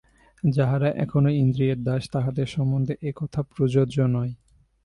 যাহারা এখনও ইন্দ্রিয়ের দাস, তাহাদের সম্বন্ধে এ-কথা প্রযোজ্য নয়।